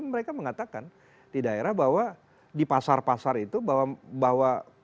mereka mengatakan di daerah bahwa di pasar pasar itu bahwa penduduknya itu sudah berusaha